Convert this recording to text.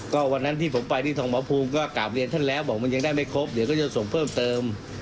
ก็วันนั้นที่ผมไปที่ทองหมอภูมิก็กราบเรียนท่านแล้วบอกมันยังได้ไม่ครบเดี๋ยวก็จะส่งเพิ่มเติม